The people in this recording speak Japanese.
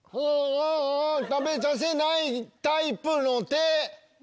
食べさせないタイプの手！